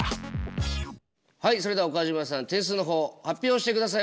はいそれでは岡島さん点数の方発表してください。